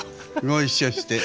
ご一緒して。